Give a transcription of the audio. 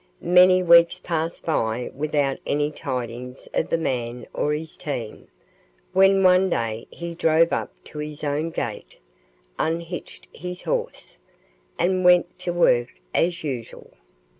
Many weeks passed by without any tidings of the man or his team, when one day he drove up to his own gate, unhitched his horse, and went to work as usual.